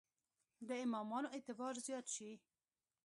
د امامانو اعتبار زیات شي.